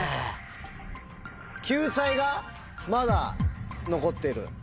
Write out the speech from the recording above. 救済がまだ残ってる。